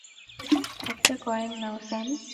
একটা কয়েন নাও, স্যাম।